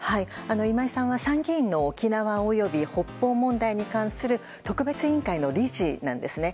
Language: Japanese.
今井さんは参議院の沖縄及び北方問題に関する特別委員会の理事なんですね。